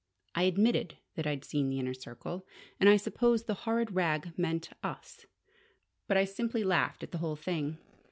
I admitted that I'd seen the Inner Circle, and I supposed the horrid rag meant us. But I simply laughed at the whole thing!